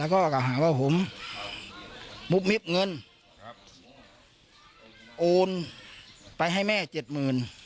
ก็ถามให้ผมมิบเงินโอนไปให้แม่อีก๗๐๐๐๐